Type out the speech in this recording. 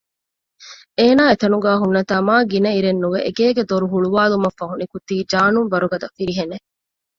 އޭނާ އެތަނުގައި ހުންނަތާ މާ ގިނައިރެއްނުވެ އެގޭގެ ދޮރު ހުޅުވާލުމަށްފަހު ނިކުތީ ޖާނުން ވަރުގަދަ ފިރިހެނެއް